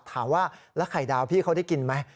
ถามว่าแล้วไข่ดาวพี่เขาได้กินไหม